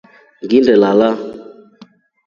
Nginnelala.